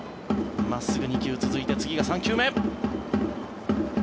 真っすぐ２球続いて次が３球目！